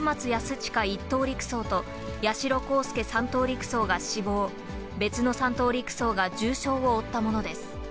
親１等陸曹と八代航佑３等陸曹が死亡、別の３等陸曹が重傷を負ったものです。